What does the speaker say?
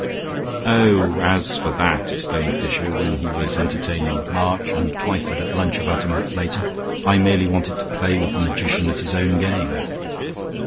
"Oh, as for that," explained Fisher, when he was entertaining March and Twyford at lunch about a month later, "I merely wanted to play with the magician at his own game."